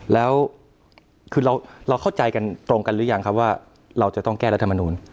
แล้วคือเราเข้าใจกันตรงกันหรือยังครับว่าเราจะต้องแก้รัฐมนูล